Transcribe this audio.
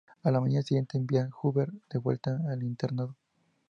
A la mañana siguiente, envía a Hubert de vuelta al internado.